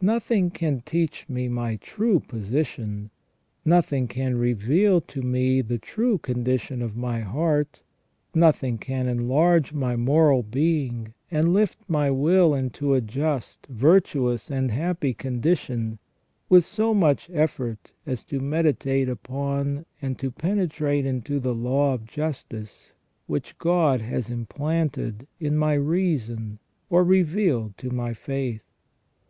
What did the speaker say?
Nothing can teach me my true position ; nothing can reveal to me the true condition of my heart ; nothing can enlarge my moral being, and lift my will into a just, virtuous, and happy condition, with so much effect as to meditate upon and to penetrate into the law of justice which God has implanted in my reason or revealed to my faith.